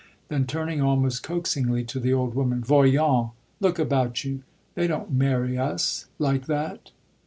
Then turning almost coaxingly to the old woman: "Voyons, look about you: they don't marry us like that."